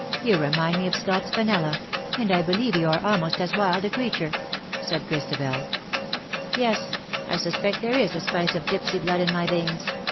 You remind me o£ Scott's Fenella — and I believe you are almost as wild a creature/' said Christabel. " Yes ! I suspect there is a spice of gipsy blood in my veins.